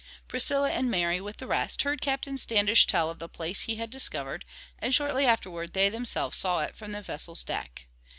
Priscilla and Mary, with the rest, heard Captain Standish tell of the place he had discovered, and shortly afterward they themselves saw it from the vessel's deck.